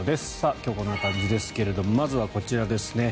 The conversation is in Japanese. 今日はこんな感じですけれどまずはこちらですね。